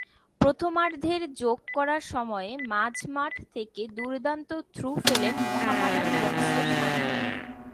প্রথমার্ধের যোগ করা সময়ে মাঝমাঠ থেকে দুর্দান্ত থ্রু পেলেন মোহামেডান বক্সের সামনে।